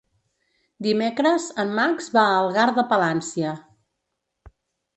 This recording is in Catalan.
Dimecres en Max va a Algar de Palància.